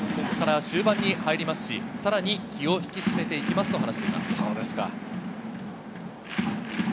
終盤に入りますし、さらに気を引き締めていきますと話しています。